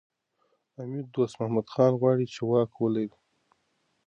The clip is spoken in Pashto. امیر دوست محمد خان غواړي چي واک ولري.